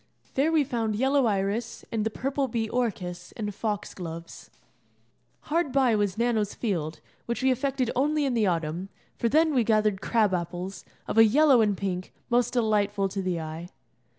There we found yellow iris, and the purple bee orchis, and fox gloves. Hard by was Nano's Field, which we affected only in the autumn, for then we gathered crab apples, of a yellow and pink, most delightful to the eye.